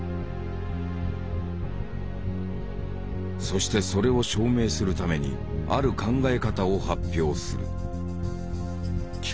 そしてそれを証明するためにある考え方を発表する。